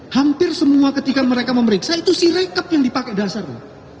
hampir semua ketika mereka memeriksa itu si rekap yang dipakai dasarnya